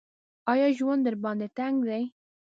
ایا ژوند درباندې تنګ دی ؟